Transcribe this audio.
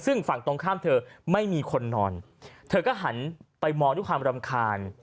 ซึ่งฝั่งตรงข้ามเธอไม่มีคนนอนเธอก็หันไปมองด้วยความรำคาญ